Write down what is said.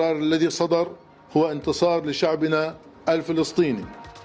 adalah kemenangan kepada rakyat palestina